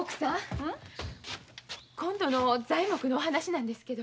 うん？今度の材木のお話なんですけど。